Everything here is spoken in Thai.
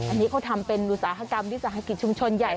อันนี้เขาทำเป็นอุตสาหกรรมวิสาหกิจชุมชนใหญ่